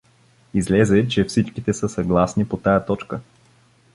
Излезе, че всичките са съгласни по тая точка!